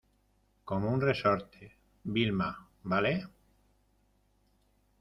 como un resorte. Vilma, vale .